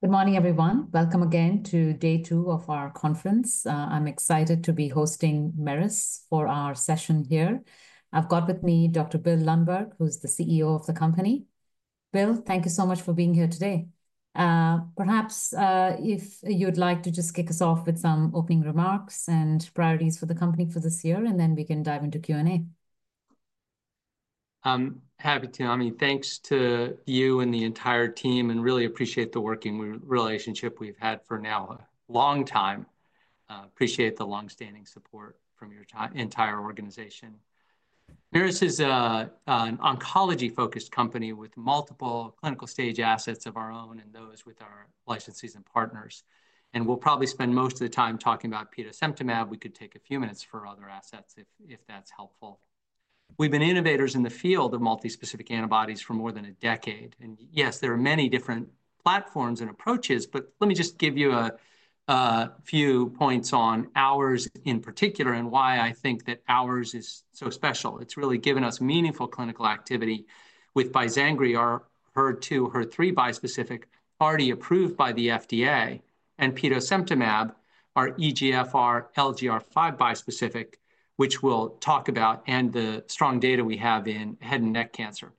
Good morning, everyone. Welcome again to day two of our conference. I'm excited to be hosting Merus for our session here. I've got with me Dr. Bill Lundberg, who is the CEO of the company. Bill, thank you so much for being here today. Perhaps if you'd like to just kick us off with some opening remarks and priorities for the company for this year, and then we can dive into Q&A. Happy to. I mean, thanks to you and the entire team, and really appreciate the working relationship we've had for now a long time. Appreciate the longstanding support from your entire organization. Merus is an oncology-focused company with multiple clinical stage assets of our own and those with our licensees and partners. We'll probably spend most of the time talking about petosemtamab. We could take a few minutes for other assets if that's helpful. We've been innovators in the field of multispecific antibodies for more than a decade. Yes, there are many different platforms and approaches, but let me just give you a few points on ours in particular and why I think that ours is so special. It's really given us meaningful clinical activity with zenocutuzumab, our HER2-HER3 bispecific, already approved by the FDA, and petosemtamab, our EGFR-LGR5 bispecific, which we'll talk about, and the strong data we have in head and neck cancer.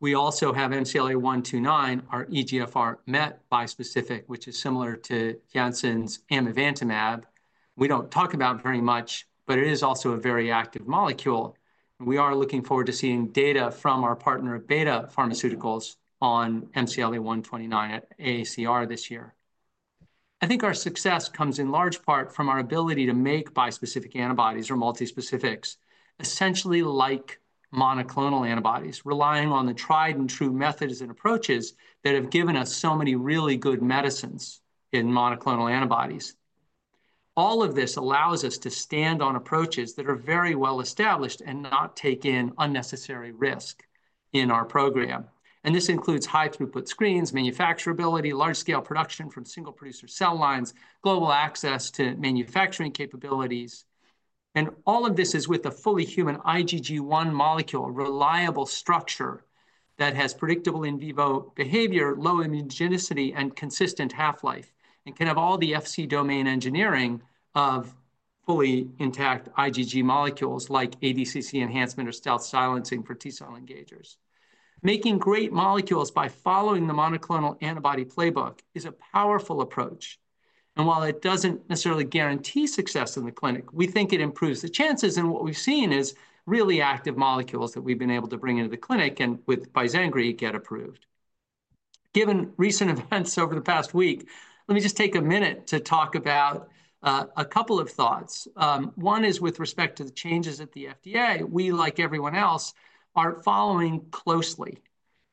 We also have MCLA-129, our EGFR-MET bispecific, which is similar to Janssen's amivantamab. We don't talk about it very much, but it is also a very active molecule. We are looking forward to seeing data from our partner, Betta Pharmaceuticals, on MCLA-129 at AACR this year. I think our success comes in large part from our ability to make bispecific antibodies or multispecifics, essentially like monoclonal antibodies, relying on the tried-and-true methods and approaches that have given us so many really good medicines in monoclonal antibodies. All of this allows us to stand on approaches that are very well established and not take in unnecessary risk in our program. This includes high-throughput screens, manufacturability, large-scale production from single-producer cell lines, global access to manufacturing capabilities. All of this is with a fully human IgG1 molecule, a reliable structure that has predictable in vivo behavior, low immunogenicity, and consistent half-life, and can have all the Fc domain engineering of fully intact IgG molecules like ADCC enhancement or stealth silencing for T cell engagers. Making great molecules by following the monoclonal antibody playbook is a powerful approach. While it does not necessarily guarantee success in the clinic, we think it improves the chances. What we have seen is really active molecules that we have been able to bring into the clinic and with Bizengri get approved. Given recent events over the past week, let me just take a minute to talk about a couple of thoughts. One is with respect to the changes at the FDA. We, like everyone else, are following closely.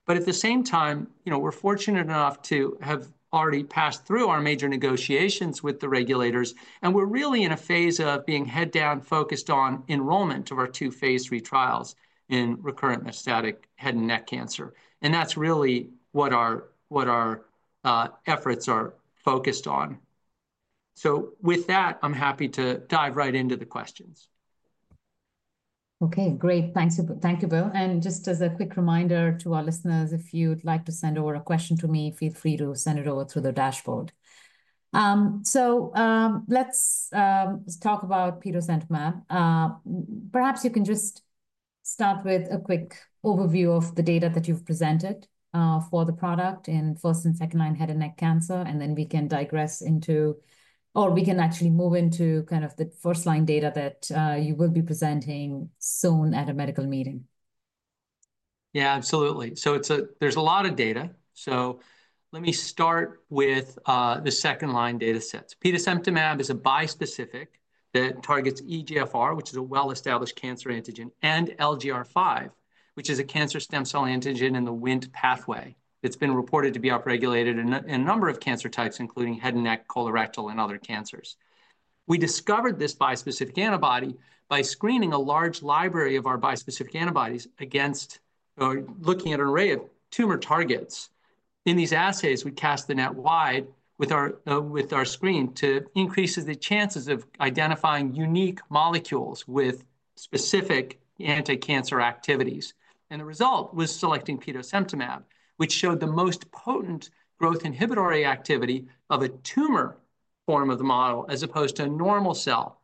At the same time, we're fortunate enough to have already passed through our major negotiations with the regulators. We're really in a phase of being head-down focused on enrollment of our two phase three trials in recurrent metastatic head and neck cancer. That's really what our efforts are focused on. With that, I'm happy to dive right into the questions. Okay, great. Thank you, Bill. Just as a quick reminder to our listeners, if you'd like to send over a question to me, feel free to send it over through the dashboard. Let's talk about petosemtamab. Perhaps you can just start with a quick overview of the data that you've presented for the product in first and second-line head and neck cancer, and then we can digress into, or we can actually move into kind of the first-line data that you will be presenting soon at a medical meeting. Yeah, absolutely. There is a lot of data. Let me start with the second-line data sets. petosemtamab is a bispecific that targets EGFR, which is a well-established cancer antigen, and LGR5, which is a cancer stem cell antigen in the Wnt pathway. It has been reported to be upregulated in a number of cancer types, including head and neck, colorectal, and other cancers. We discovered this bispecific antibody by screening a large library of our bispecific antibodies against, or looking at an array of tumor targets. In these assays, we cast the net wide with our screen to increase the chances of identifying unique molecules with specific anti-cancer activities. The result was selecting petosemtamab, which showed the most potent growth inhibitory activity of a tumor form of the model as opposed to a normal cell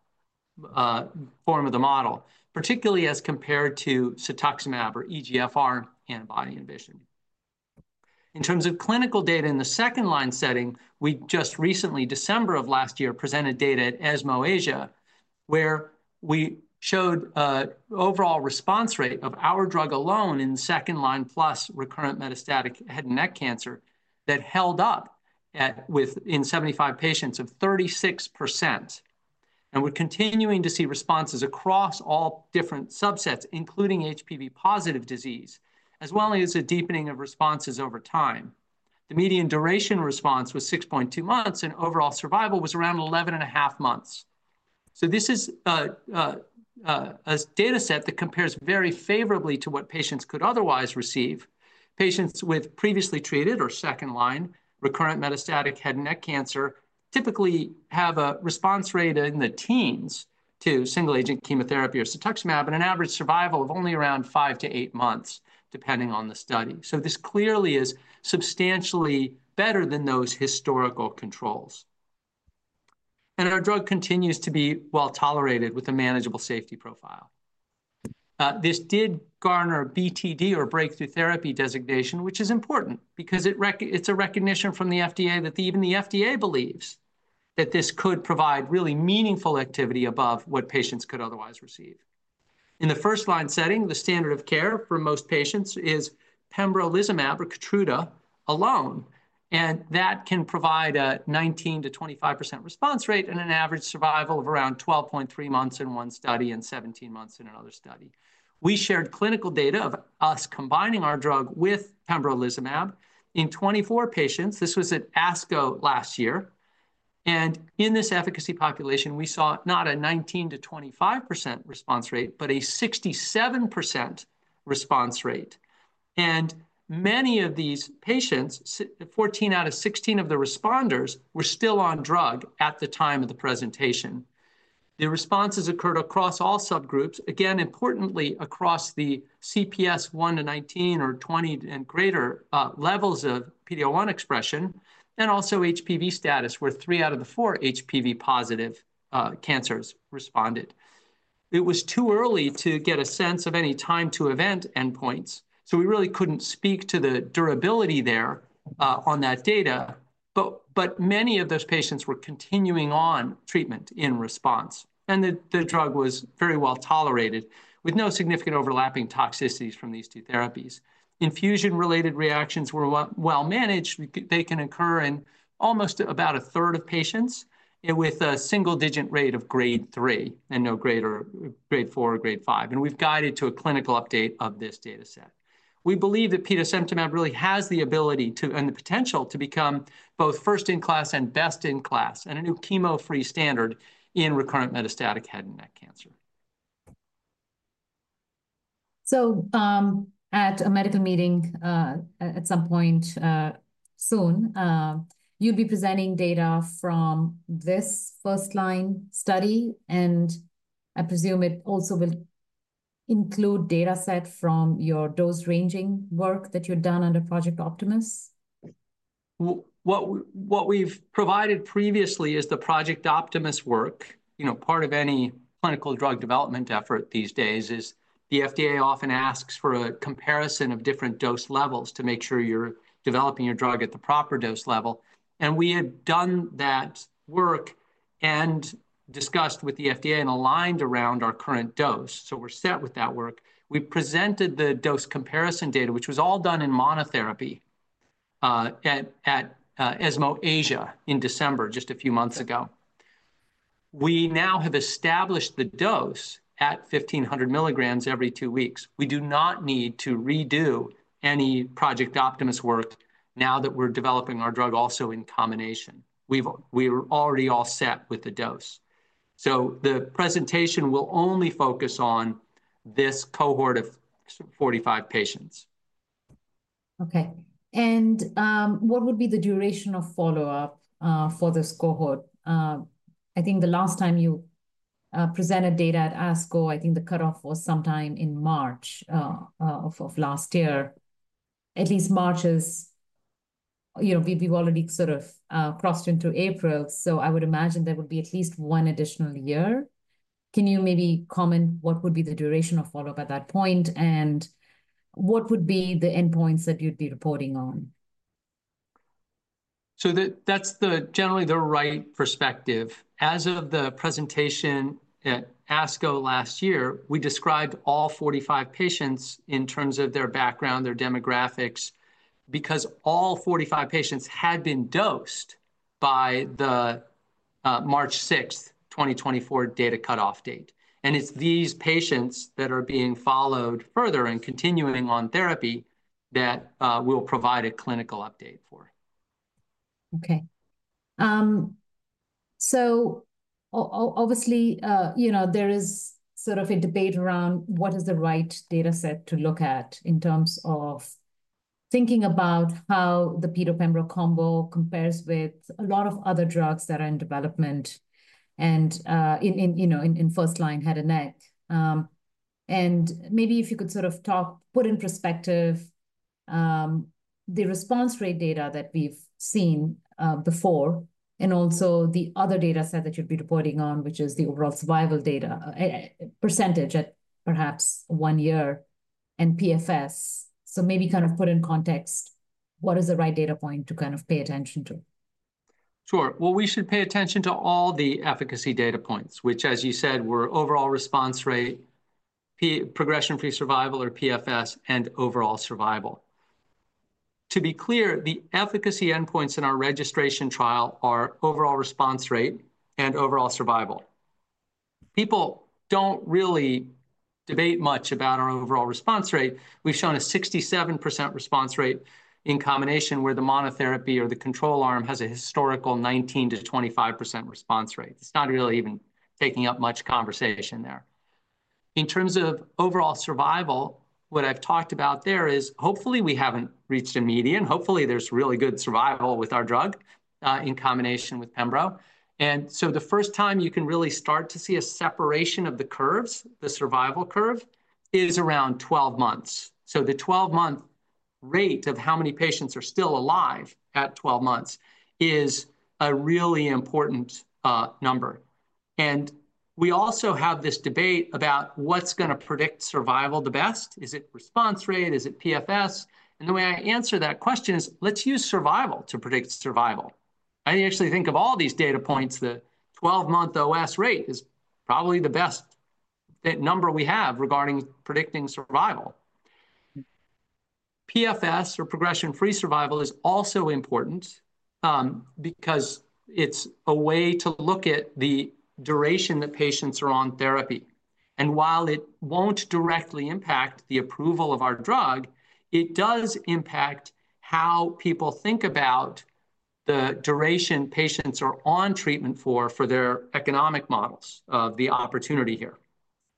form of the model, particularly as compared to cetuximab or EGFR antibody envisioned. In terms of clinical data in the second-line setting, we just recently, December of last year, presented data at ESMO Asia, where we showed an overall response rate of our drug alone in second-line plus recurrent metastatic head and neck cancer that held up in 75 patients of 36%. We are continuing to see responses across all different subsets, including HPV-positive disease, as well as a deepening of responses over time. The median duration response was 6.2 months, and overall survival was around 11 and a half months. This is a data set that compares very favorably to what patients could otherwise receive. Patients with previously treated or second-line recurrent metastatic head and neck cancer typically have a response rate in the teens to single-agent chemotherapy or cetuximab, and an average survival of only around five to eight months, depending on the study. This clearly is substantially better than those historical controls. Our drug continues to be well tolerated with a manageable safety profile. This did garner BTD or breakthrough therapy designation, which is important because it is a recognition from the FDA that even the FDA believes that this could provide really meaningful activity above what patients could otherwise receive. In the first-line setting, the standard of care for most patients is pembrolizumab or Keytruda alone. That can provide a 19%-25% response rate and an average survival of around 12.3 months in one study and 17 months in another study. We shared clinical data of us combining our drug with pembrolizumab in 24 patients. This was at ASCO last year. In this efficacy population, we saw not a 19%-25% response rate, but a 67% response rate. Many of these patients, 14 out of 16 of the responders, were still on drug at the time of the presentation. The responses occurred across all subgroups, again, importantly, across the CPS 1-19 or 20 and greater levels of PD-L1 expression, and also HPV status, where three out of the four HPV-positive cancers responded. It was too early to get a sense of any time to event endpoints. We really couldn't speak to the durability there on that data. Many of those patients were continuing on treatment in response. The drug was very well tolerated with no significant overlapping toxicities from these two therapies. Infusion-related reactions were well managed. They can occur in almost about a third of patients with a single-digit rate of grade three and no greater grade four or grade five. We have guided to a clinical update of this data set. We believe that petosemtamab really has the ability and the potential to become both first-in-class and best-in-class and a new chemo-free standard in recurrent metastatic head and neck cancer. At a medical meeting at some point soon, you'll be presenting data from this first-line study. I presume it also will include data set from your dose-ranging work that you've done under Project Optimus. What we've provided previously is the Project Optimus work. Part of any clinical drug development effort these days is the FDA often asks for a comparison of different dose levels to make sure you're developing your drug at the proper dose level. We had done that work and discussed with the FDA and aligned around our current dose. We are set with that work. We presented the dose comparison data, which was all done in monotherapy at ESMO Asia in December, just a few months ago. We now have established the dose at 1,500 milligrams every two weeks. We do not need to redo any Project Optimus work now that we're developing our drug also in combination. We are already all set with the dose. The presentation will only focus on this cohort of 45 patients. Okay. What would be the duration of follow-up for this cohort? I think the last time you presented data at ASCO, I think the cutoff was sometime in March of last year. At least March is, we've already sort of crossed into April. I would imagine there would be at least one additional year. Can you maybe comment what would be the duration of follow-up at that point and what would be the endpoints that you'd be reporting on? That's generally the right perspective. As of the presentation at ASCO last year, we described all 45 patients in terms of their background, their demographics, because all 45 patients had been dosed by the March 6, 2024 data cutoff date. It's these patients that are being followed further and continuing on therapy that we'll provide a clinical update for. Okay. Obviously, there is sort of a debate around what is the right data set to look at in terms of thinking about how the Peto/Pembro combo compares with a lot of other drugs that are in development and in first-line head and neck. Maybe if you could sort of talk, put in perspective the response rate data that we've seen before and also the other data set that you'd be reporting on, which is the overall survival data percentage at perhaps one year and PFS. Maybe kind of put in context what is the right data point to kind of pay attention to. Sure. We should pay attention to all the efficacy data points, which, as you said, were overall response rate, progression-free survival or PFS, and overall survival. To be clear, the efficacy endpoints in our registration trial are overall response rate and overall survival. People do not really debate much about our overall response rate. We have shown a 67% response rate in combination where the monotherapy or the control arm has a historical 19%-25% response rate. It is not really even taking up much conversation there. In terms of overall survival, what I have talked about there is hopefully we have not reached a median. Hopefully, there is really good survival with our drug in combination with Pembro. The first time you can really start to see a separation of the curves, the survival curve is around 12 months. The 12-month rate of how many patients are still alive at 12 months is a really important number. We also have this debate about what's going to predict survival the best. Is it response rate? Is it PFS? The way I answer that question is let's use survival to predict survival. I actually think of all these data points, the 12-month OS rate is probably the best number we have regarding predicting survival. PFS or progression-free survival is also important because it's a way to look at the duration that patients are on therapy. While it won't directly impact the approval of our drug, it does impact how people think about the duration patients are on treatment for, for their economic models of the opportunity here.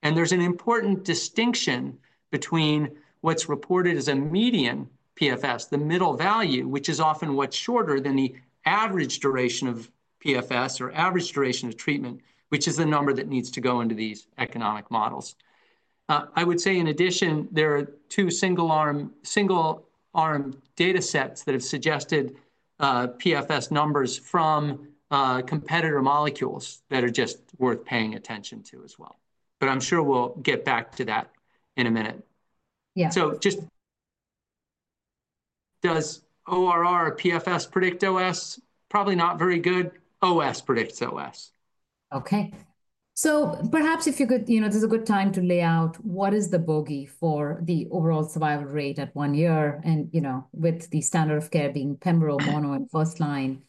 There's an important distinction between what's reported as a median PFS, the middle value, which is often what's shorter than the average duration of PFS or average duration of treatment, which is the number that needs to go into these economic models. I would say in addition, there are two single-arm data sets that have suggested PFS numbers from competitor molecules that are just worth paying attention to as well. I'm sure we'll get back to that in a minute. Yeah. Does ORR or PFS predict OS? Probably not very good. OS predicts OS. Okay. Perhaps if you could, this is a good time to lay out what is the bogey for the overall survival rate at one year, and with the standard of care being Pembro, Mono, and first-line,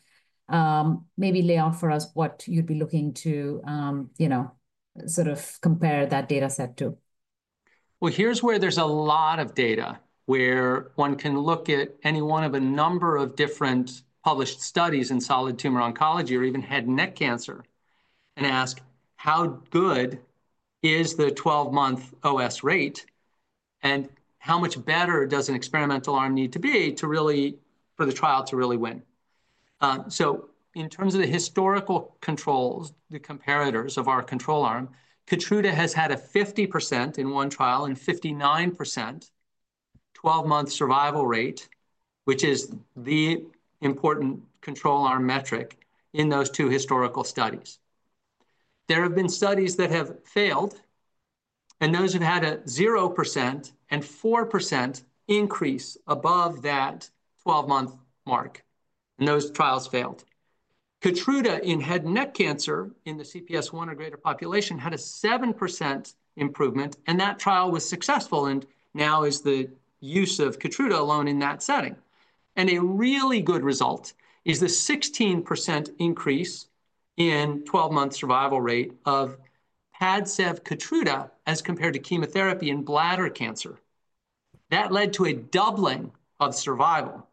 maybe lay out for us what you'd be looking to sort of compare that data set to. Here's where there's a lot of data where one can look at any one of a number of different published studies in solid tumor oncology or even head and neck cancer and ask how good is the 12-month OS rate and how much better does an experimental arm need to be for the trial to really win. In terms of the historical controls, the comparators of our control arm, Keytruda has had a 50% in one trial and 59% 12-month survival rate, which is the important control arm metric in those two historical studies. There have been studies that have failed, and those have had a 0% and 4% increase above that 12-month mark. Those trials failed. Keytruda in head and neck cancer in the CPS 1 or greater population had a 7% improvement, and that trial was successful. Now is the use of Keytruda alone in that setting. A really good result is the 16% increase in 12-month survival rate of Padcev Keytruda as compared to chemotherapy in bladder cancer. That led to a doubling of survival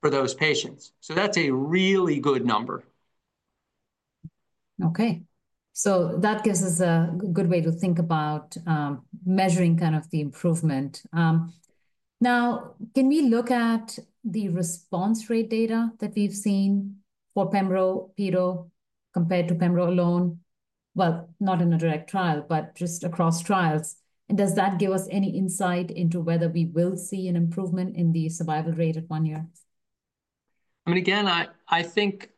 for those patients. That is a really good number. Okay. That gives us a good way to think about measuring kind of the improvement. Now, can we look at the response rate data that we've seen for Pembro, Peto compared to Pembro alone? Not in a direct trial, but just across trials. Does that give us any insight into whether we will see an improvement in the survival rate at one year? I mean, again, I think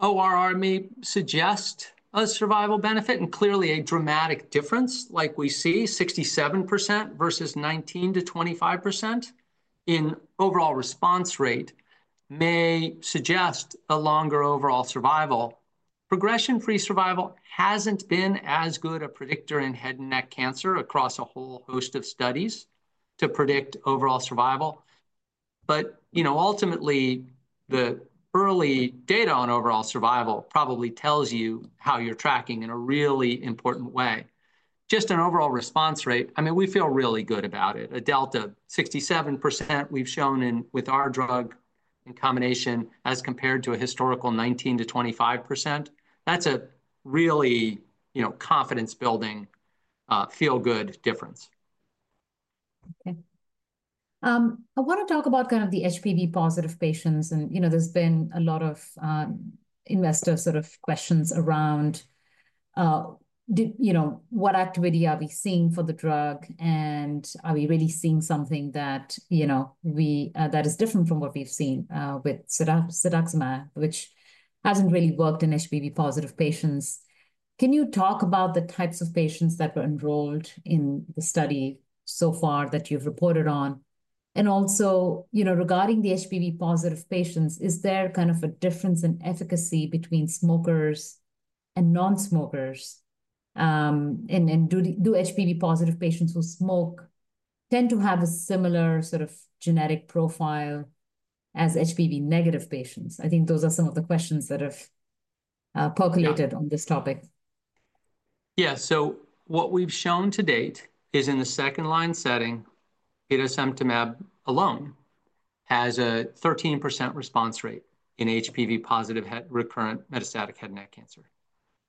ORR may suggest a survival benefit and clearly a dramatic difference like we see 67% versus 19%-25% in overall response rate may suggest a longer overall survival. Progression-free survival has not been as good a predictor in head and neck cancer across a whole host of studies to predict overall survival. Ultimately, the early data on overall survival probably tells you how you are tracking in a really important way. Just an overall response rate, I mean, we feel really good about it. A delta of 67% we have shown with our drug in combination as compared to a historical 19%-25%. That is a really confidence-building, feel-good difference. Okay. I want to talk about kind of the HPV-positive patients. There's been a lot of investor sort of questions around what activity are we seeing for the drug, and are we really seeing something that is different from what we've seen with isatuximab, which hasn't really worked in HPV-positive patients. Can you talk about the types of patients that were enrolled in the study so far that you've reported on? Also regarding the HPV-positive patients, is there kind of a difference in efficacy between smokers and non-smokers? Do HPV-positive patients who smoke tend to have a similar sort of genetic profile as HPV-negative patients? I think those are some of the questions that have percolated on this topic. Yeah. What we've shown to date is in the second-line setting, petosemtamab alone has a 13% response rate in HPV-positive recurrent metastatic head and neck cancer.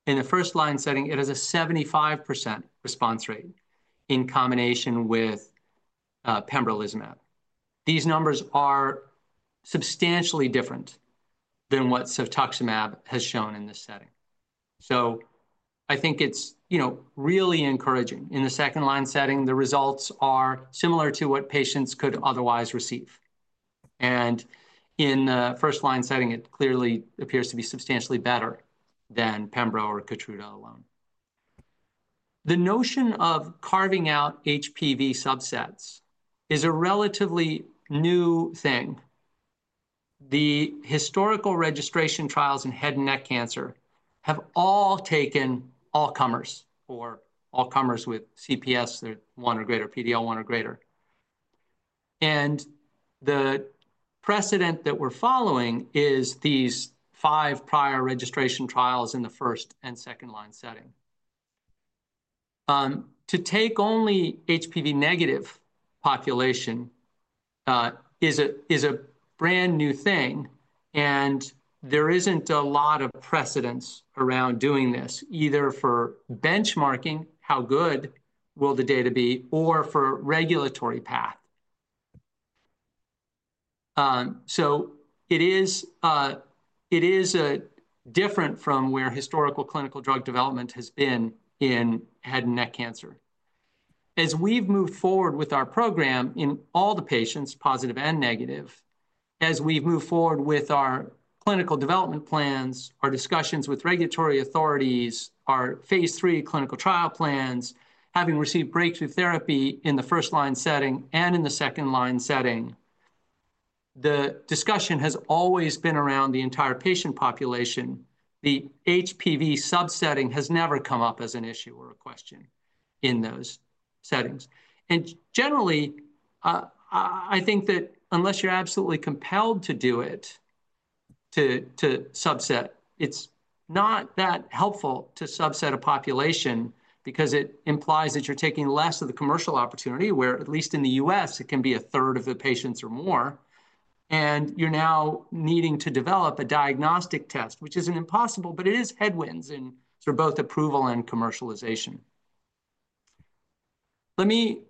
In the first-line setting, it has a 75% response rate in combination with Keytruda. These numbers are substantially different than what cetuximab has shown in this setting. I think it's really encouraging. In the second-line setting, the results are similar to what patients could otherwise receive. In the first-line setting, it clearly appears to be substantially better than Pembro or Keytruda alone. The notion of carving out HPV subsets is a relatively new thing. The historical registration trials in head and neck cancer have all taken all-comers or all-comers with CPS, one or greater, PD-L1 one or greater. The precedent that we're following is these five prior registration trials in the first and second-line setting. To take only HPV-negative population is a brand new thing. There isn't a lot of precedence around doing this, either for benchmarking how good will the data be or for regulatory path. It is different from where historical clinical drug development has been in head and neck cancer. As we've moved forward with our program in all the patients, positive and negative, as we've moved forward with our clinical development plans, our discussions with regulatory authorities, our phase three clinical trial plans, having received breakthrough therapy in the first-line setting and in the second-line setting, the discussion has always been around the entire patient population. The HPV subsetting has never come up as an issue or a question in those settings. Generally, I think that unless you're absolutely compelled to do it, to subset, it's not that helpful to subset a population because it implies that you're taking less of the commercial opportunity where, at least in the U.S., it can be a third of the patients or more. You're now needing to develop a diagnostic test, which isn't impossible, but it is headwinds in both approval and commercialization. Let me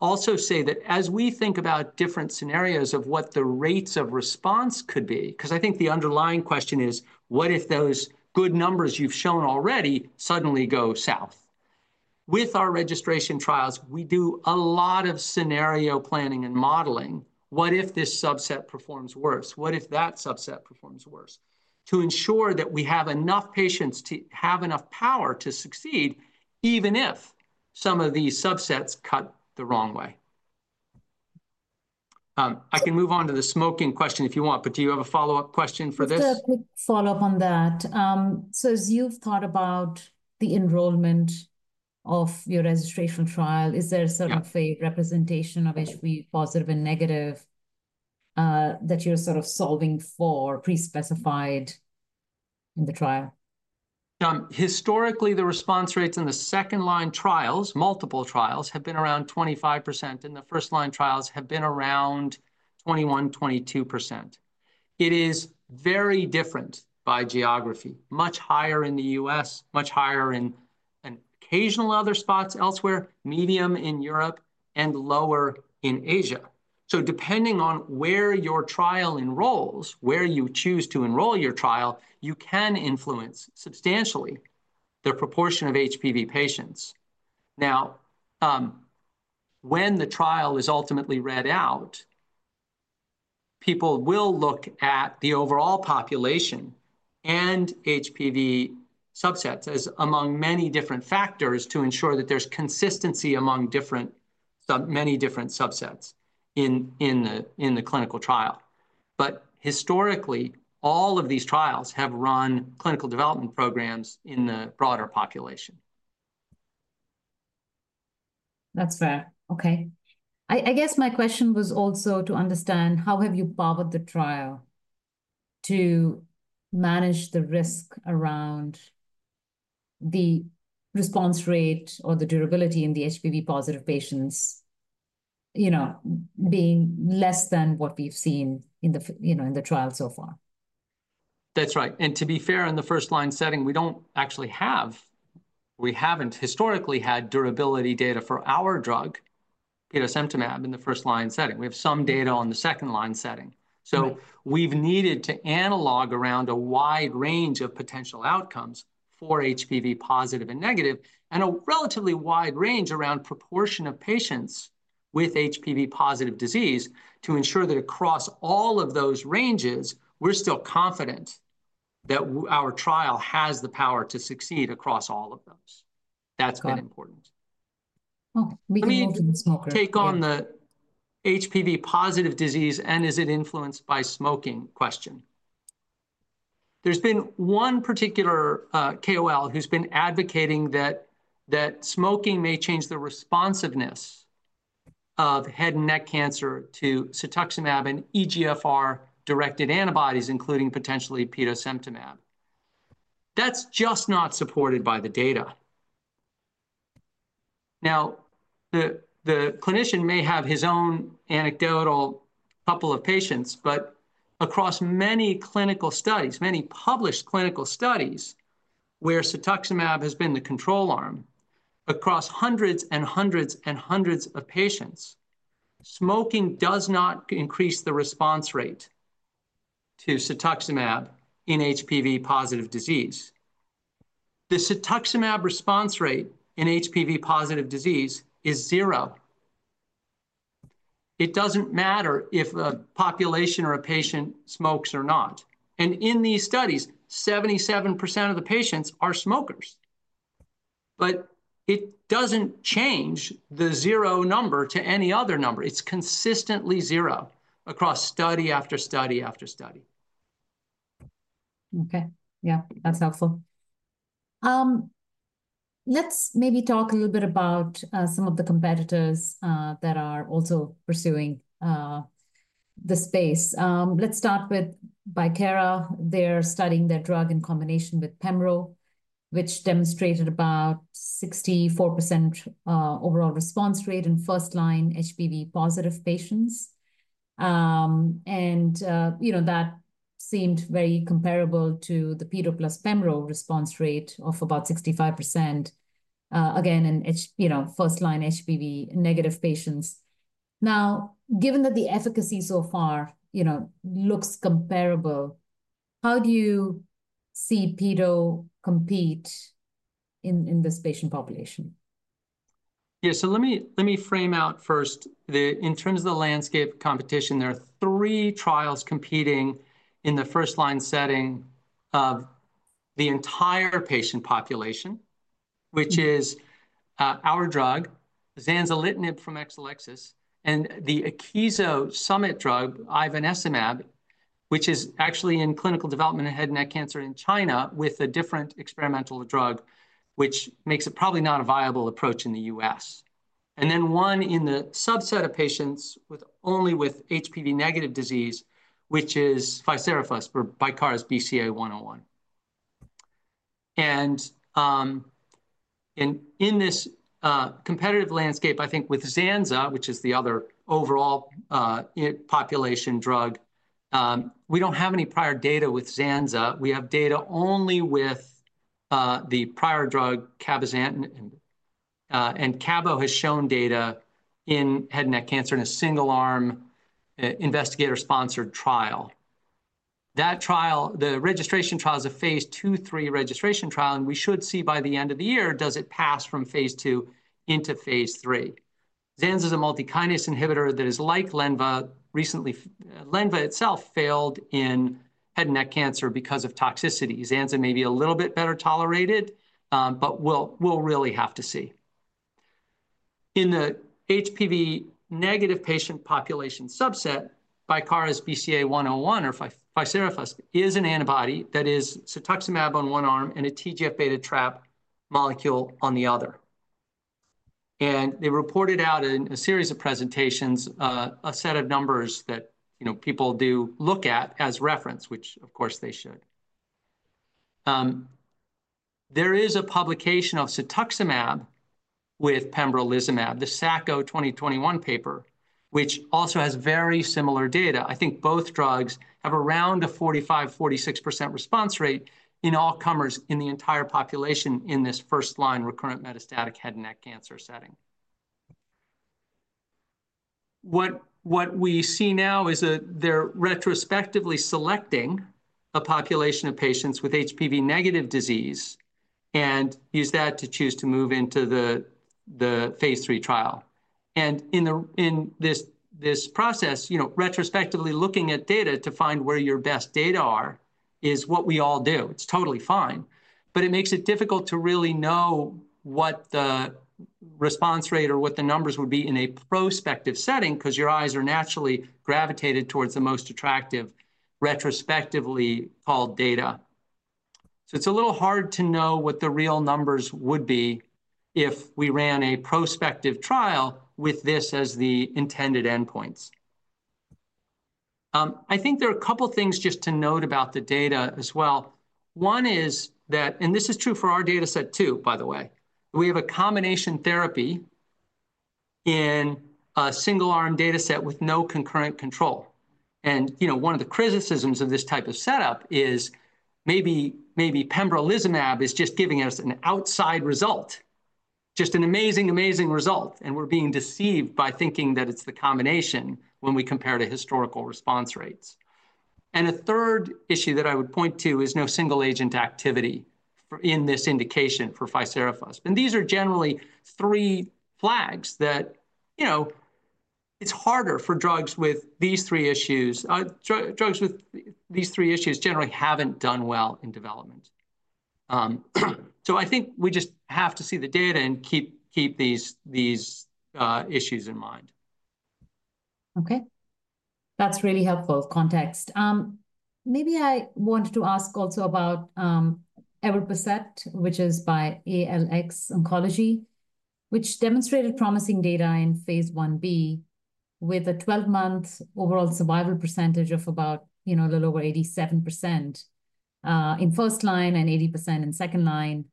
also say that as we think about different scenarios of what the rates of response could be, because I think the underlying question is, what if those good numbers you've shown already suddenly go south? With our registration trials, we do a lot of scenario planning and modeling. What if this subset performs worse? What if that subset performs worse? To ensure that we have enough patients to have enough power to succeed even if some of these subsets cut the wrong way. I can move on to the smoking question if you want, but do you have a follow-up question for this? Just a quick follow-up on that. As you've thought about the enrollment of your registration trial, is there sort of a representation of HPV positive and negative that you're sort of solving for pre-specified in the trial? Historically, the response rates in the second-line trials, multiple trials, have been around 25%, and the first-line trials have been around 21%, 22%. It is very different by geography. Much higher in the U.S., much higher in occasional other spots elsewhere, medium in Europe, and lower in Asia. Depending on where your trial enrolls, where you choose to enroll your trial, you can influence substantially the proportion of HPV patients. Now, when the trial is ultimately read out, people will look at the overall population and HPV subsets as among many different factors to ensure that there's consistency among many different subsets in the clinical trial. Historically, all of these trials have run clinical development programs in the broader population. That's fair. Okay. I guess my question was also to understand how have you powered the trial to manage the risk around the response rate or the durability in the HPV-positive patients being less than what we've seen in the trial so far. That's right. To be fair, in the first-line setting, we don't actually have—we haven't historically had durability data for our drug, petosemtamab, in the first-line setting. We have some data on the second-line setting. We've needed to analog around a wide range of potential outcomes for HPV-positive and negative and a relatively wide range around proportion of patients with HPV-positive disease to ensure that across all of those ranges, we're still confident that our trial has the power to succeed across all of those. That's been important. Okay. We can continue to smoke. Take on the HPV-positive disease and is it influenced by smoking question. There's been one particular KOL who's been advocating that smoking may change the responsiveness of head and neck cancer to cetuximab and EGFR-directed antibodies, including potentially petosemtamab. That's just not supported by the data. Now, the clinician may have his own anecdotal couple of patients, but across many clinical studies, many published clinical studies where cetuximab has been the control arm across hundreds and hundreds and hundreds of patients, smoking does not increase the response rate to cetuximab in HPV-positive disease. The cetuximab response rate in HPV-positive disease is zero. It doesn't matter if a population or a patient smokes or not. In these studies, 77% of the patients are smokers. It doesn't change the zero number to any other number. It's consistently zero across study after study after study. Okay. Yeah, that's helpful. Let's maybe talk a little bit about some of the competitors that are also pursuing the space. Let's start with Bicara. They're studying their drug in combination with Pembro, which demonstrated about 64% overall response rate in first-line HPV-positive patients. That seemed very comparable to the Peto plus Pembro response rate of about 65%, again, in first-line HPV-negative patients. Now, given that the efficacy so far looks comparable, how do you see Peto compete in this patient population? Yeah. Let me frame out first, in terms of the landscape competition, there are three trials competing in the first-line setting of the entire patient population, which is our drug, zanzalintinib from Exelixis, and the Akeso Summit drug, ivonescimab, which is actually in clinical development in head and neck cancer in China with a different experimental drug, which makes it probably not a viable approach in the U.S. There is one in the subset of patients only with HPV-negative disease, which is Bicara's BCA101. In this competitive landscape, I think with Zanza, which is the other overall population drug, we do not have any prior data with Zanza. We have data only with the prior drug, cabozantinib, and Cabo has shown data in head and neck cancer in a single-arm investigator-sponsored trial. The registration trial is a phase two/three registration trial, and we should see by the end of the year, does it pass from phase two into phase three. Zanza is a multikinase inhibitor that is like Lenva. Lenva itself failed in head and neck cancer because of toxicity. Zanza may be a little bit better tolerated, but we'll really have to see. In the HPV-negative patient population subset, Bicara's BCA101 or ficerafusp is an antibody that is cetuximab on one arm and a TGF-β trap molecule on the other. They reported out in a series of presentations a set of numbers that people do look at as reference, which, of course, they should. There is a publication of cetuximab with pembrolizumab, the Sacco 2021 paper, which also has very similar data. I think both drugs have around a 45%-46% response rate in all comers in the entire population in this first-line recurrent metastatic head and neck cancer setting. What we see now is that they're retrospectively selecting a population of patients with HPV-negative disease and use that to choose to move into the phase three trial. In this process, retrospectively looking at data to find where your best data are is what we all do. It's totally fine. It makes it difficult to really know what the response rate or what the numbers would be in a prospective setting because your eyes are naturally gravitated towards the most attractive retrospectively called data. It's a little hard to know what the real numbers would be if we ran a prospective trial with this as the intended endpoints. I think there are a couple of things just to note about the data as well. One is that, and this is true for our data set too, by the way, we have a combination therapy in a single-arm data set with no concurrent control. One of the criticisms of this type of setup is maybe pembrolizumab is just giving us an outside result, just an amazing, amazing result, and we're being deceived by thinking that it's the combination when we compare to historical response rates. A third issue that I would point to is no single agent activity in this indication for ficerafusp. These are generally three flags that it's harder for drugs with these three issues. Drugs with these three issues generally haven't done well in development. I think we just have to see the data and keep these issues in mind. Okay. That's really helpful context. Maybe I wanted to ask also about evorpacept, which is by ALX Oncology, which demonstrated promising data in phase 1b with a 12-month overall survival percentage of about a little over 87% in first line and 80% in second line.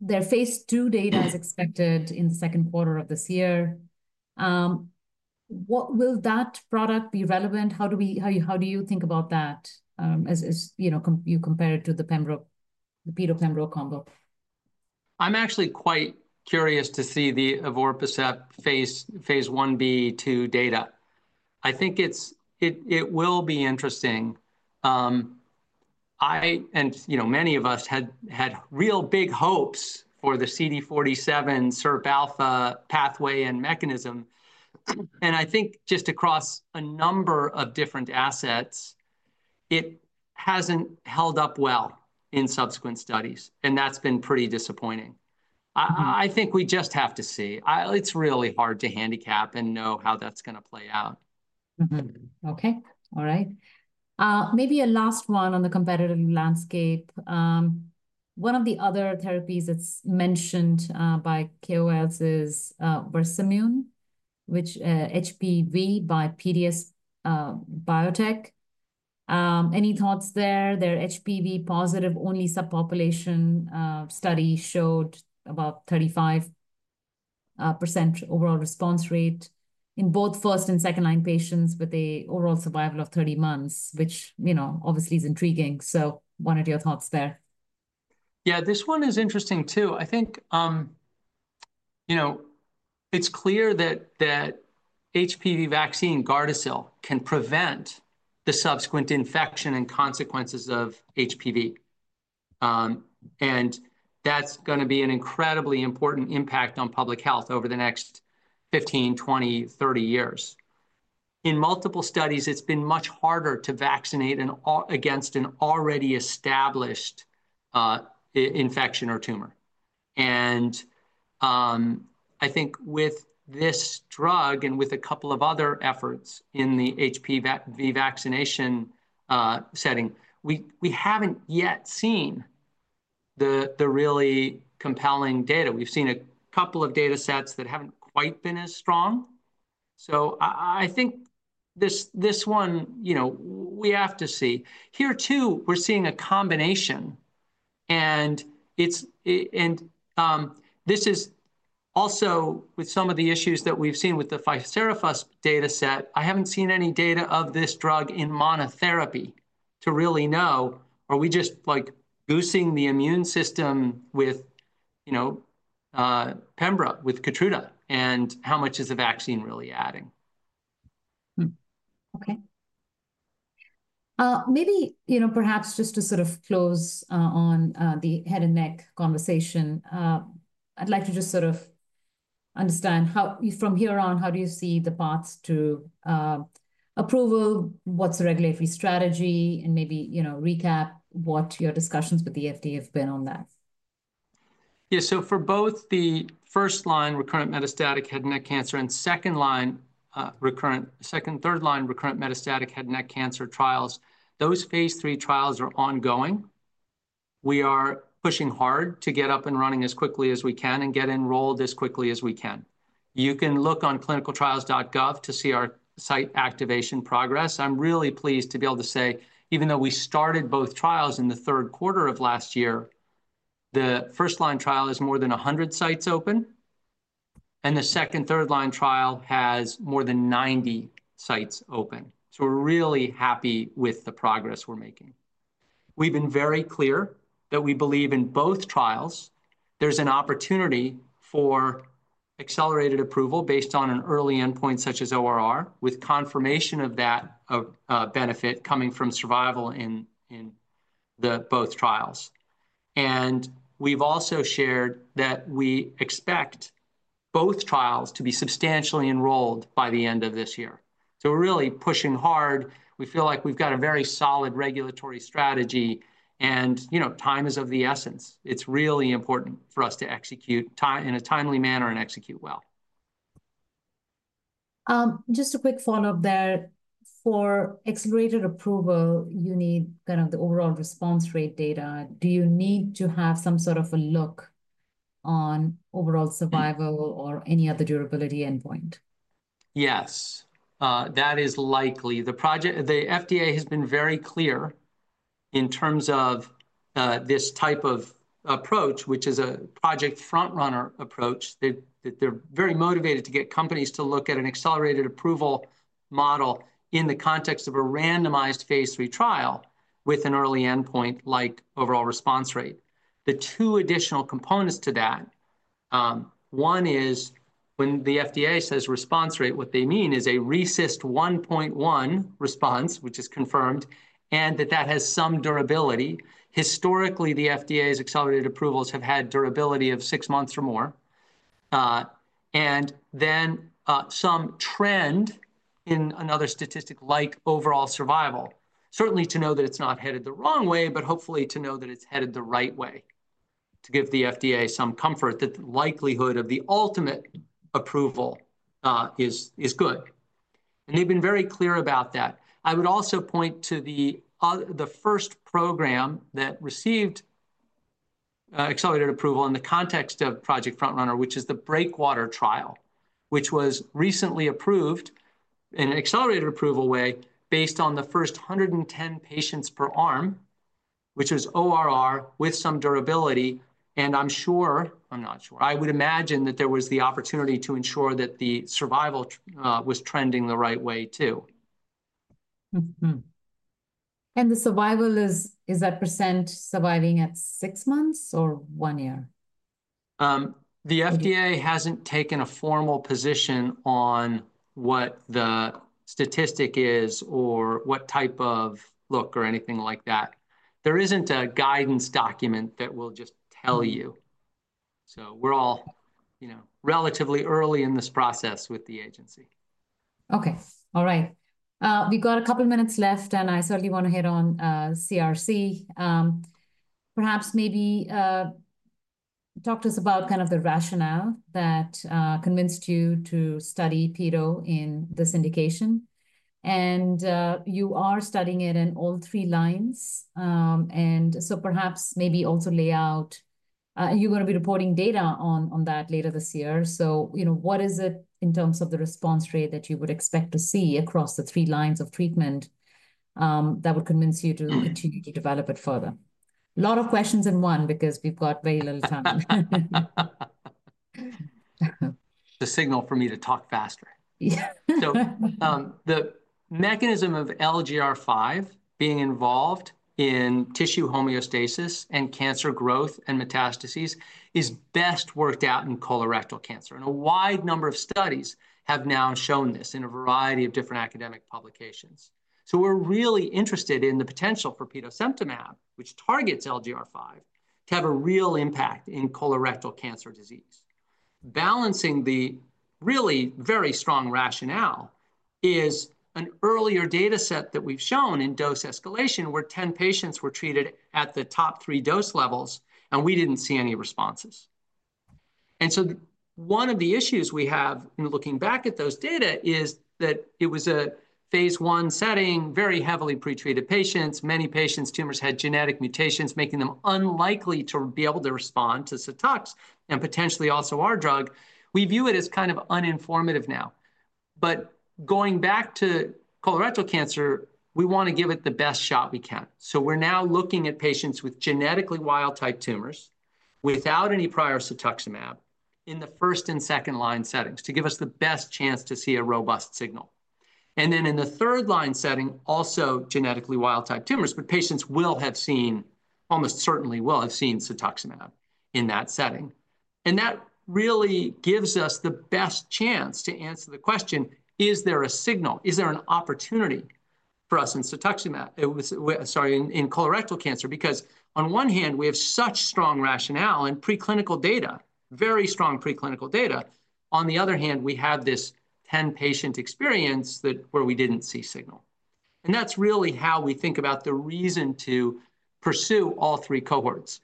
Their phase 2 data is expected in the second quarter of this year. Will that product be relevant? How do you think about that as you compare it to the Peto/Pembro combo? I'm actually quite curious to see the evorpacept phase I B two data. I think it will be interesting. Many of us had real big hopes for the CD47 SIRP alpha pathway and mechanism. I think just across a number of different assets, it hasn't held up well in subsequent studies, and that's been pretty disappointing. I think we just have to see. It's really hard to handicap and know how that's going to play out. Okay. All right. Maybe a last one on the competitive landscape. One of the other therapies that's mentioned by KOLs is Versamune, which is HPV by PDS Biotech. Any thoughts there? Their HPV-positive only subpopulation study showed about 35% overall response rate in both first and second-line patients with an overall survival of 30 months, which obviously is intriguing. What are your thoughts there? Yeah, this one is interesting too. I think it's clear that HPV vaccine Gardasil can prevent the subsequent infection and consequences of HPV. That's going to be an incredibly important impact on public health over the next 15, 20, 30 years. In multiple studies, it's been much harder to vaccinate against an already established infection or tumor. I think with this drug and with a couple of other efforts in the HPV vaccination setting, we haven't yet seen the really compelling data. We've seen a couple of data sets that haven't quite been as strong. I think this one, we have to see. Here too, we're seeing a combination. This is also with some of the issues that we've seen with the ficerafusp data set. I haven't seen any data of this drug in monotherapy to really know, are we just boosting the immune system with Pembra, with Keytruda, and how much is the vaccine really adding? Okay. Maybe perhaps just to sort of close on the head and neck conversation, I'd like to just sort of understand from here on, how do you see the paths to approval, what's the regulatory strategy, and maybe recap what your discussions with the FDA have been on that? Yeah. For both the first-line recurrent metastatic head and neck cancer and second-line, second, third-line recurrent metastatic head and neck cancer trials, those phase three trials are ongoing. We are pushing hard to get up and running as quickly as we can and get enrolled as quickly as we can. You can look on clinicaltrials.gov to see our site activation progress. I'm really pleased to be able to say, even though we started both trials in the third quarter of last year, the first-line trial has more than 100 sites open, and the second, third-line trial has more than 90 sites open. We're really happy with the progress we're making. We've been very clear that we believe in both trials. There's an opportunity for accelerated approval based on an early endpoint such as ORR with confirmation of that benefit coming from survival in both trials. We have also shared that we expect both trials to be substantially enrolled by the end of this year. We are really pushing hard. We feel like we have a very solid regulatory strategy, and time is of the essence. It is really important for us to execute in a timely manner and execute well. Just a quick follow-up there. For accelerated approval, you need kind of the overall response rate data. Do you need to have some sort of a look on overall survival or any other durability endpoint? Yes, that is likely. The FDA has been very clear in terms of this type of approach, which is a project front-runner approach. They're very motivated to get companies to look at an accelerated approval model in the context of a randomized phase three trial with an early endpoint like overall response rate. The two additional components to that, one is when the FDA says response rate, what they mean is a RECIST 1.1 response, which is confirmed, and that that has some durability. Historically, the FDA's accelerated approvals have had durability of six months or more. There is also some trend in another statistic like overall survival, certainly to know that it's not headed the wrong way, but hopefully to know that it's headed the right way to give the FDA some comfort that the likelihood of the ultimate approval is good. They have been very clear about that. I would also point to the first program that received accelerated approval in the context of Project Front-Runner, which is the Breakwater trial, which was recently approved in an accelerated approval way based on the first 110 patients per arm, which was ORR with some durability. I'm sure, I'm not sure, I would imagine that there was the opportunity to ensure that the survival was trending the right way too. Is the survival that percent surviving at six months or one year? The FDA hasn't taken a formal position on what the statistic is or what type of look or anything like that. There isn't a guidance document that will just tell you. We're all relatively early in this process with the agency. Okay. All right. We've got a couple of minutes left, and I certainly want to hit on CRC. Perhaps maybe talk to us about kind of the rationale that convinced you to study Peto in this indication. You are studying it in all three lines. Perhaps maybe also lay out, you're going to be reporting data on that later this year. What is it in terms of the response rate that you would expect to see across the three lines of treatment that would convince you to continue to develop it further? A lot of questions in one because we've got very little time. The signal for me to talk faster. Yeah. The mechanism of LGR5 being involved in tissue homeostasis and cancer growth and metastases is best worked out in colorectal cancer. A wide number of studies have now shown this in a variety of different academic publications. We are really interested in the potential for petosemtamab, which targets LGR5, to have a real impact in colorectal cancer disease. Balancing the really very strong rationale is an earlier data set that we have shown in dose escalation where 10 patients were treated at the top three dose levels, and we did not see any responses. One of the issues we have in looking back at those data is that it was a phase one setting, very heavily pretreated patients. Many patients' tumors had genetic mutations, making them unlikely to be able to respond tocetuximab and potentially also our drug. We view it as kind of uninformative now. Going back to colorectal cancer, we want to give it the best shot we can. We are now looking at patients with genetically wild-type tumors without any prior cetuximab in the first and second-line settings to give us the best chance to see a robust signal. In the third-line setting, also genetically wild-type tumors, but patients will have seen, almost certainly will have seen cetuximab in that setting. That really gives us the best chance to answer the question, is there a signal? Is there an opportunity for us in cetuximab—sorry, in colorectal cancer? Because on one hand, we have such strong rationale and preclinical data, very strong preclinical data. On the other hand, we have this 10-patient experience where we did not see signal. That is really how we think about the reason to pursue all three cohorts.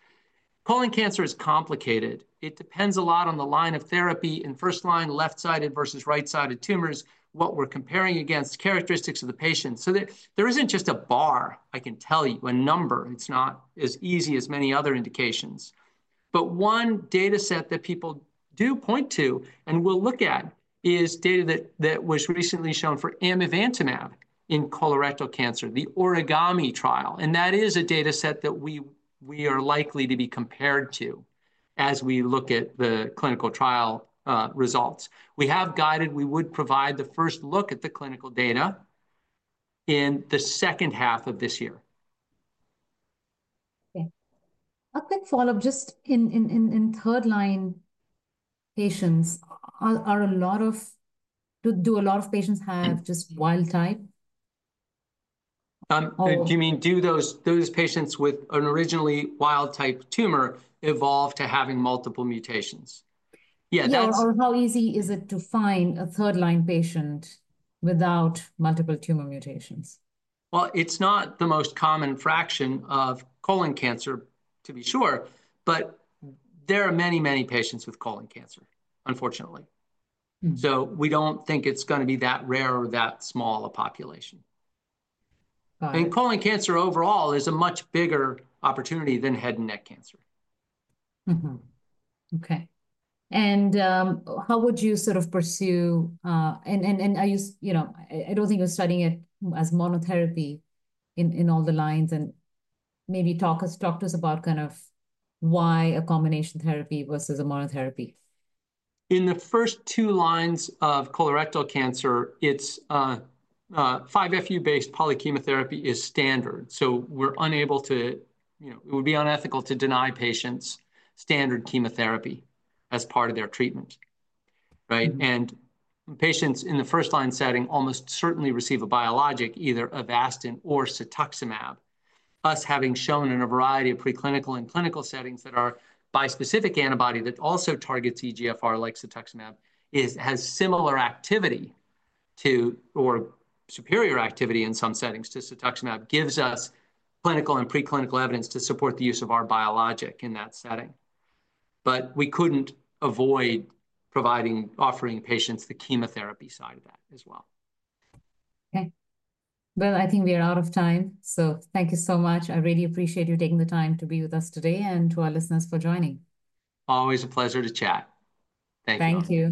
Colon cancer is complicated. It depends a lot on the line of therapy in first-line, left-sided versus right-sided tumors, what we're comparing against, characteristics of the patient. There isn't just a bar, I can tell you, a number. It's not as easy as many other indications. One data set that people do point to and will look at is data that was recently shown for amivantamab in colorectal cancer, the Origami trial. That is a data set that we are likely to be compared to as we look at the clinical trial results. We have guided, we would provide the first look at the clinical data in the second half of this year. Okay. A quick follow-up, just in third-line patients, do a lot of patients have just wild-type? Do you mean do those patients with an originally wild-type tumor evolve to having multiple mutations? Yeah. How easy is it to find a third-line patient without multiple tumor mutations? It is not the most common fraction of colon cancer, to be sure, but there are many, many patients with colon cancer, unfortunately. We do not think it is going to be that rare or that small a population. Colon cancer overall is a much bigger opportunity than head and neck cancer. Okay. How would you sort of pursue, and I do not think you are studying it as monotherapy in all the lines, and maybe talk to us about kind of why a combination therapy versus a monotherapy? In the first two lines of colorectal cancer, its 5FU-based poly chemotherapy is standard. We're unable to, it would be unethical to deny patients standard chemotherapy as part of their treatment, right? Patients in the first-line setting almost certainly receive a biologic, either Avastin or cetuximab, us having shown in a variety of preclinical and clinical settings that our bispecific antibody that also targets EGFR like cetuximab has similar activity to or superior activity in some settings to cetuximab, gives us clinical and preclinical evidence to support the use of our biologic in that setting. We couldn't avoid offering patients the chemotherapy side of that as well. Okay. I think we are out of time. Thank you so much. I really appreciate you taking the time to be with us today and to our listeners for joining. Always a pleasure to chat. Thank you. Thank you.